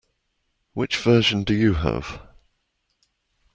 Which version do you have?